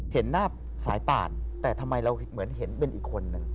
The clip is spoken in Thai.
เห็นหน้าสายป่านแต่ทำไมเราเหมือนเห็นเป็นอีกคนนึง